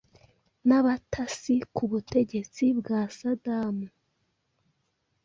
n'abatasi ku butegetsi bwa Saddam